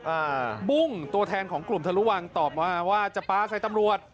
กิ๊บตัวแทนของกลุ่มทะลุวังตอบว่าจะป๊าใครตำรวจ